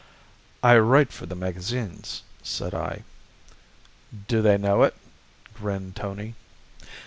"I write for the magazines," said I. "Do they know it?" grinned Tony.